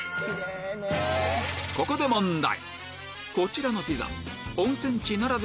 ここで問題！